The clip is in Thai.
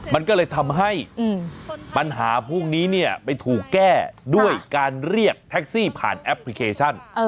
มันก็เลยทำให้ปัญหาพวกนี้เนี่ยไปถูกแก้ด้วยการเรียกแท็กซี่ผ่านแอปพลิเคชัน